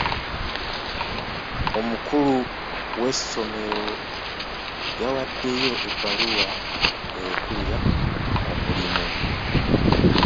Omukulu w'essomero yawaddeyo ebbaluwa erekulira omulimu.